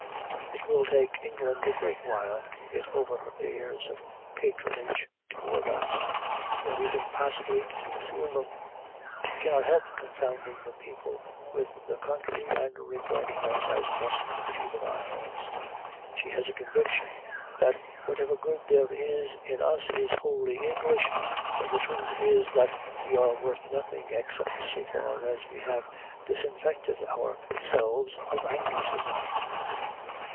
It will take England a great while to get over her airs of patronage toward us, or even passably to conceal them. She cannot help confounding the people with the country, and regarding us as lusty juveniles. She has a conviction that whatever good there is in us is wholly English, when the truth is that we are worth nothing except so far as we have disinfected ourselves of Anglicism.